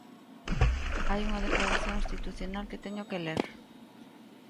Hai unha declaración institucional que teño que ler.